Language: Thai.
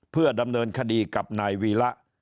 เพื่อดำเนินคดีกับนายวีระ